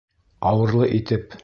Ауырлы итеп.